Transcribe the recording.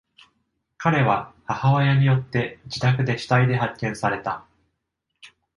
彼は、母親によって自宅で死体で発見された。